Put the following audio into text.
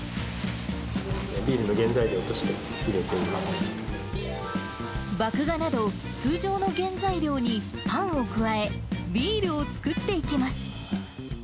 ビールの原材料として入れて麦芽など、通常の原材料にパンを加え、ビールを造っていきます。